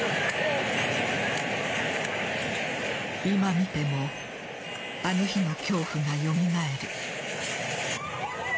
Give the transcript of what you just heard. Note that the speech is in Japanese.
今見てもあの日の恐怖がよみがえる。